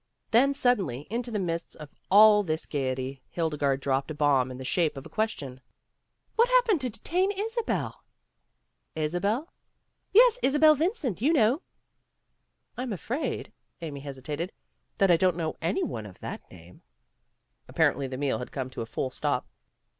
Then suddenly into the midst of all this gaiety, Hildegarde dropped a bomb in the shape of a question. "What happened to de tain Isabel?" "Isabel?" "Yes, Isabel Vincent, you know." "I'm afraid," Amy hesitated, "that I don't know any one of that name." Apparently the meal had come to a full stop.